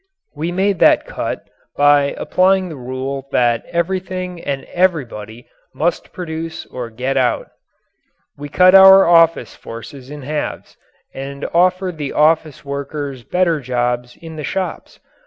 We made that cut by applying the rule that everything and everybody must produce or get out. We cut our office forces in halves and offered the office workers better jobs in the shops.